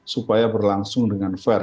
supaya berlangsung dengan fair